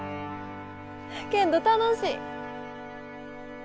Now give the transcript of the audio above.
けんど楽しい！